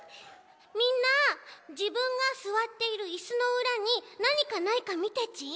みんなじぶんがすわっているイスのうらになにかないかみてち。